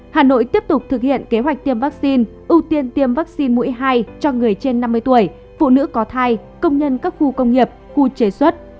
hà nội tiếp tục thực hiện kế hoạch tiêm vaccine ưu tiên tiêm vaccine mũi hai cho người trên năm mươi tuổi phụ nữ có thai công nhân các khu công nghiệp khu chế xuất